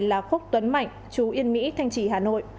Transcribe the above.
là quốc tuấn mạnh chú yên mỹ thanh trị hà nội